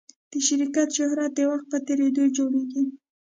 د شرکت شهرت د وخت په تېرېدو جوړېږي.